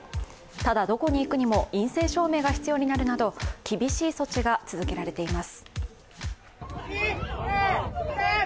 ただ、どこに行くにも陰性証明が必要になるなど、厳しい措置が続けられています。